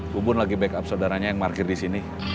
bu bun lagi backup saudaranya yang market di sini